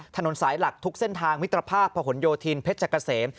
ถนนสายหลักทุกเส้นทางมิตรภาพพะหนโยธินเพชรเกษม